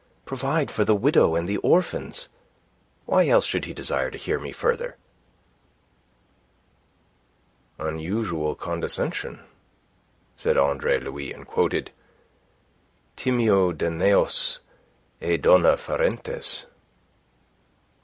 Provide for the widow and the orphans. Why else should he desire to hear me further?" "Unusual condescension," said Andre Louis, and quoted "Timeo Danaos et dona ferentes."